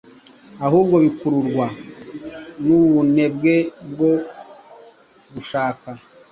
ahubwo bikururwa n’ubunebwe bwo gushaka